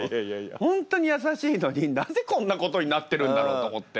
本当に優しいのになぜこんなことになってるんだろうと思って。